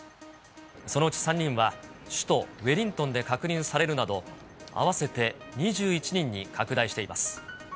そのうち３人は首都ウェリントンで確認されるなど、合わせて２１人に拡大しています。